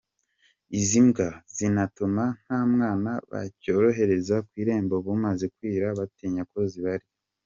Izi mbwa, zinatuma nta mwana bacyohereza ku irembo bumaze kwira batinya ko zibarya.